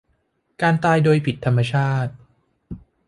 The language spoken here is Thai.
การตายโดยผิดธรรมชาติ